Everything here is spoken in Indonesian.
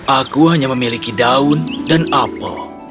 aku hanya memiliki daun dan apel